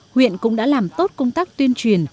huyện cũng đã làm tốt công tác tuyên truyền